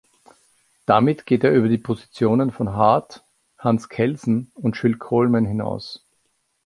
Damit geht er über die Positionen von Hart, Hans Kelsen und Jules Coleman hinaus.